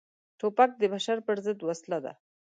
توپک د بشر پر ضد وسله ده.